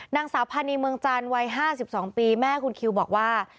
นางสาวพานีเมืองจันทร์วัย๕๒ปีแม่คุณคิวบอกว่า